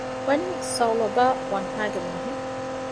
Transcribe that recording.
ބަނީ ޘަޢުލަބާ ވަންހައިގެ މީހެއް